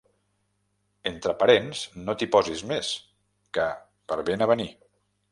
Entre parents no t'hi posis més que per ben avenir.